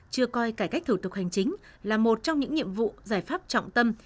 chưa coi cải cách thủ tục hành chính là một trong những nhiệm vụ giải pháp trọng tâm